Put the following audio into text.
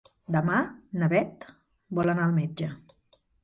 Demà na Beth vol anar al metge.